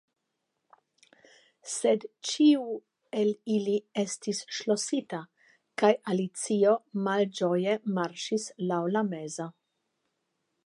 Sed ĉiu el ili estis ŝlosita, kaj Alicio malĝoje marŝis laŭ la mezo.